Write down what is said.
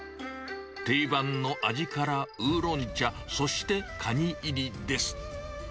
定番の味からウーロン茶、そしてカニ入りです。